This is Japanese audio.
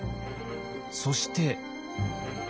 そして。